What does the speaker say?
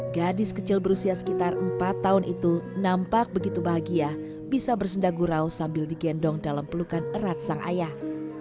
gadis kecil berusia sekitar empat tahun itu nampak begitu bahagia bisa bersendagurau sambil digendong dalam pelukan erat sang ayah